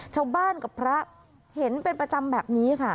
ชาวบ้านกับพระเห็นเป็นประจำแบบนี้ค่ะ